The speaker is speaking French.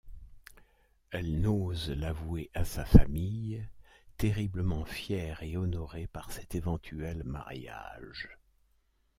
Elle n'ose l'avouer à sa famille, terriblement fière et honorée par cet éventuel mariage.